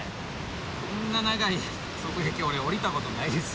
こんな長い側壁俺降りたことないです。